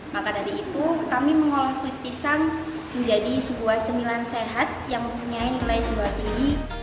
maka dari itu kami mengolah kulit pisang menjadi sebuah cemilan sehat yang mempunyai nilai jual tinggi